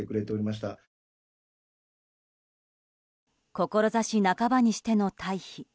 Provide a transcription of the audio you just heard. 志半ばにしての退避。